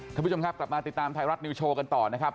ท่านผู้ชมครับกลับมาติดตามไทยรัฐนิวโชว์กันต่อนะครับ